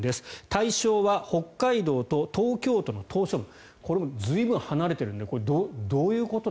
対象は北海道と東京都の島しょ部これも随分離れているのでどういうこと。